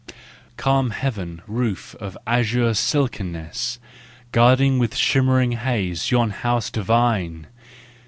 Calm heavenly roof of azure silkiness, Guarding with shimmering haze yon house divine!